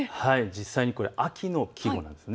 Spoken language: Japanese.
実際にこれ、秋の季語なんです。